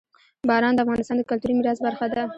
باران د افغانستان د کلتوري میراث برخه ده.